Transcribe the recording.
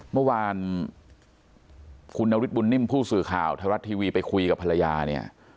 เมื่อวานคุณนฤทธบุญนิ่มผู้สื่อข่าวไทยรัฐทีวีไปคุยกับภรรยาเนี่ย